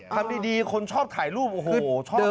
ทำดีคนชอบถ่ายรูปโอ้โหชอบ